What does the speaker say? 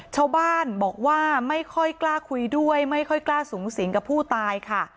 ชาวบ้านบอกว่าไม่ค่อยกล้าคุยด้วยไม่ค่อยกล้าสูงสิงกับผู้ตายค่ะ